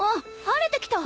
晴れてきた。